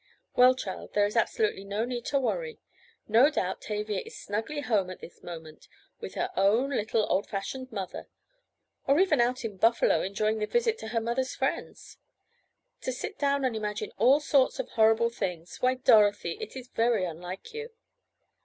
"Well, child, there is absolutely no need to worry. No doubt Tavia is snugly home at this moment, with her own, little, old fashioned mother—or even out in Buffalo enjoying the visit to her mother's friends. To sit down and imagine all sorts of horrible things—why, Dorothy, it is very unlike you!"